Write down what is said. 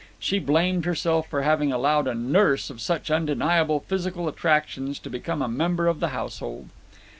She blamed herself for having allowed a nurse of such undeniable physical attractions to become a member of the household.